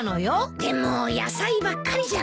でも野菜ばっかりじゃないか。